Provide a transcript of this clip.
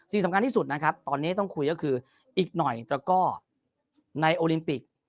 สิ่งสำคัญที่สุดนะครับตอนนี้ต้องคุยก็คืออีกหน่อยตระก้อในโอลิมปิก